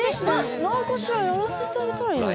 えっ何かしらやらせてあげたらいいのに。